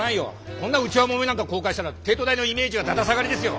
こんな内輪もめなんか公開したら帝都大のイメージはだだ下がりですよ！